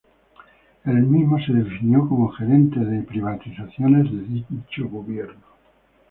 Él mismo se definió como "Gerente de Privatizaciones" de dicho gobierno.